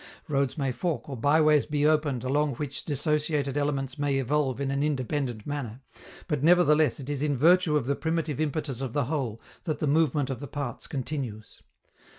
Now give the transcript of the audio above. Roads may fork or by ways be opened along which dissociated elements may evolve in an independent manner, but nevertheless it is in virtue of the primitive impetus of the whole that the movement of the parts continues.